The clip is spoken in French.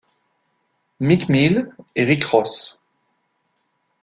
Meek Mill et Rick Ross.